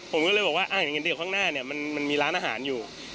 ผมก็เลยบอกว่าอย่างนั้นเดี๋ยวข้างหน้าเนี่ยมันมีร้านอาหารอยู่